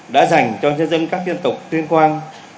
đã dành cho nhân dân các dân tộc tuyên quang